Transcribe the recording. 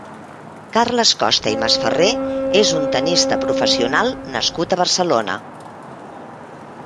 Carles Costa i Masferrer és un tennista professional nascut a Barcelona.